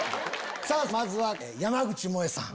さぁまずは山口もえさん。